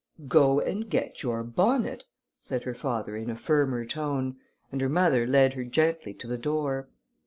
"Go and get your bonnet," said her father in a firmer tone, and her mother led her gently to the door.